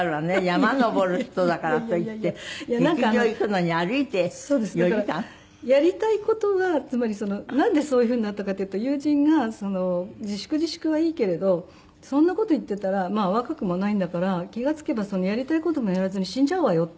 山登る人だからといって劇場行くのに歩いて４時間？だからやりたい事がつまりなんでそういうふうになったかっていうと友人が「自粛自粛はいいけれどそんな事を言っていたら若くもないんだから気が付けばやりたい事もやらずに死んじゃうわよ」って言われて。